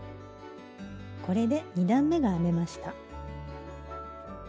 これで２段めが編めました。